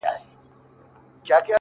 • او خپل څادر يې تر خپل څنگ هوار کړ؛